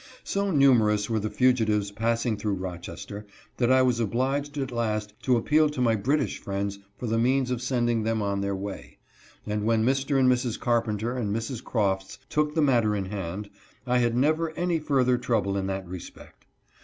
So numerous were the fugitives passing through Roches ter that I was obliged at last to appeal to my British friends for the means of sending them on their way, and MISS TRACY'S SCHOOL IN ROCHESTER. 331 when Mr. and Mrs. Carpenter and Mrs. Croffts took the matter in hand, I had never any further trouble in that respect.